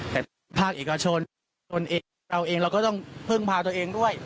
แต่ภาคเอกชนตนเองเราเองเราก็ต้องพึ่งพาตัวเองด้วย